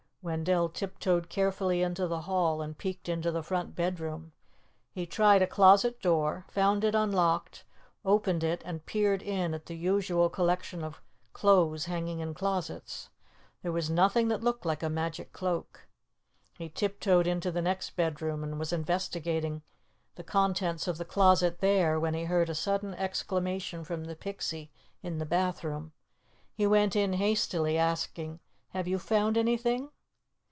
Wendell tiptoed carefully into the hall and peeked into the front bedroom. He tried a closet door, found it unlocked, opened it and peered in at the usual collection of clothes hanging in closets. There was nothing that looked like a magic cloak. He tiptoed into the next bedroom and was investigating the contents of the closet there, when he heard a sudden exclamation from the Pixie in the bathroom. He went in hastily, asking, "Have you found anything?"